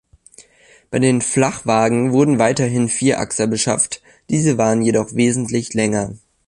Bei den Flachwagen wurden weiterhin Vierachser beschafft, diese waren jedoch wesentlich länger.